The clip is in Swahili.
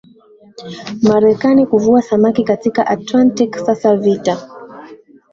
Marekani kuvua samaki katika Atlantiki Sasa vita